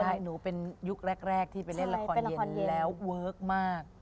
ใช่หนูเป็นยุคแรกที่ไปเล่นละครเย็นแล้วเวิร์คมาก